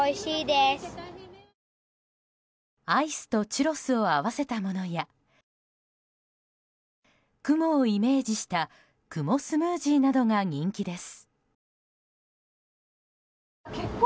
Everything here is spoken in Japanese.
アイスとチュロスを合わせたものや雲をイメージした雲スムージーなどが人気です。